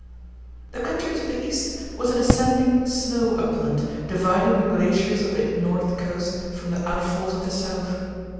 The country to the east was an ascending snow upland dividing the glaciers of the north coast from the outfalls of the south.